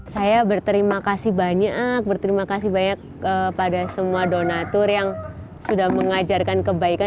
saya berterima kasih banyak berterima kasih banyak kepada semua donatur yang sudah mengajarkan kebaikan